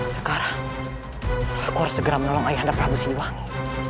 sekarang aku harus segera menolong ayah anda prabu siwangi